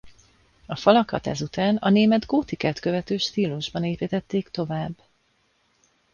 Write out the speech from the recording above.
A falakat ezután a német gótikát követő stílusban építették tovább.